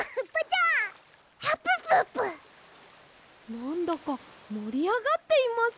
なんだかもりあがっています。